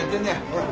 ほら。